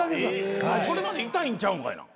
それまで痛いんちゃうんかいな。